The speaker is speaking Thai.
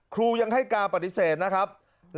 ครูยังให้การปฏิเสธนะครับ